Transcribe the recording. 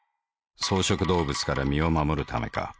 草食動物から身を護るためか。